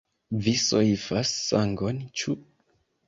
Vi soifas sangon, ĉu?